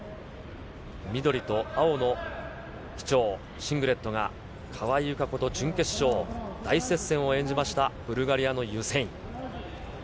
緑と青のシングレットが、川井友香子と準決勝大接戦を演じましたブルガリアのユセイン。